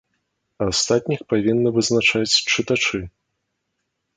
А астатніх павінны вызначыць чытачы.